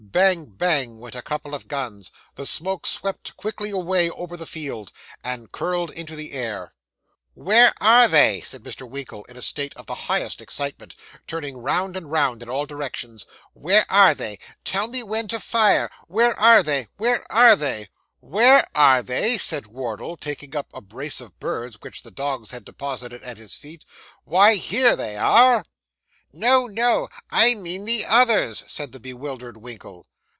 Bang, bang, went a couple of guns the smoke swept quickly away over the field, and curled into the air. 'Where are they!' said Mr. Winkle, in a state of the highest excitement, turning round and round in all directions. 'Where are they? Tell me when to fire. Where are they where are they?' 'Where are they!' said Wardle, taking up a brace of birds which the dogs had deposited at his feet. 'Why, here they are.' 'No, no; I mean the others,' said the bewildered Winkle.